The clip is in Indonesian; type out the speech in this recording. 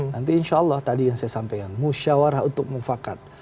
nanti insya allah tadi yang saya sampaikan musyawarah untuk mufakat